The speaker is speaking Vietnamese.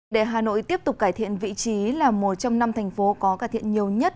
để hà nội tiếp tục cải thiện vị trí là một trong năm thành phố có cải thiện nhiều nhất